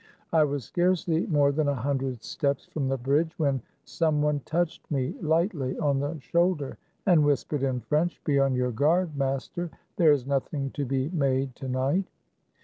I was scarcely more than a hundred steps from the bridge when some one touched me lightly on the shoulder, and whispered in French, " Be on your guard, master; there is nothing to be made to night."